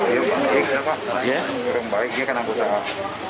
dia orang baik dia kenal bukaan